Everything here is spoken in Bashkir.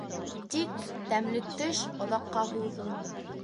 Тик тәмле төш оҙаҡҡа һуҙылмай.